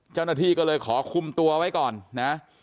เจ้าหน้าที่ก็เลยขอคุมตัวไว้ก่อนนะ